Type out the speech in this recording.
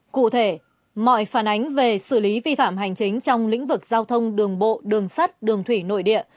cụ thể mọi phản ánh về xử lý vi phạm hành chính trong lĩnh vực giao thông đường bộ đường sắt đường thủy nội địa